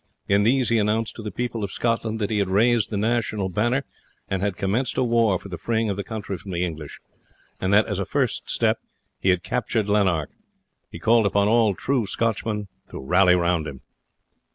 In these he announced to the people of Scotland that he had raised the national banner and had commenced a war for the freeing of the country from the English, and that as a first step he had captured Lanark. He called upon all true Scotchmen to rally round him.